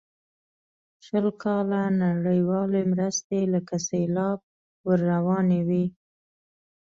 شل کاله نړیوالې مرستې لکه سیلاب ور روانې وې.